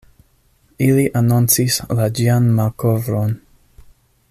Ili anoncis la ĝian malkovron.